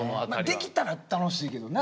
できたら楽しいけどな。